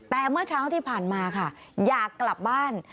แต่เมื่อเช้าที่ผ่านมาค่ะอยากกลับบ้าน